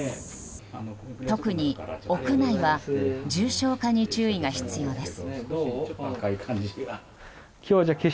特に、屋内は重症化に注意が必要です。